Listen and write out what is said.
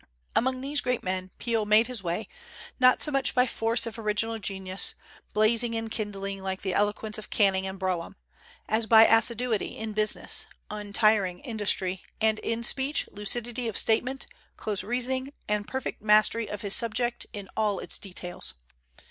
Among these great men Peel made his way, not so much by force of original genius blazing and kindling like the eloquence of Canning and Brougham as by assiduity in business, untiring industry, and in speech lucidity of statement, close reasoning, and perfect mastery of his subject in all its details.